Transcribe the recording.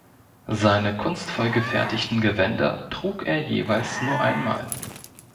Seine kunstvoll gefertigten Gewänder trug er jeweils nur einmal.